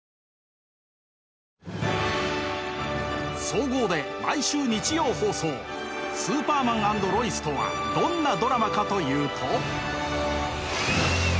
総合で毎週日曜放送「スーパーマン＆ロイス」とはどんなドラマかというと。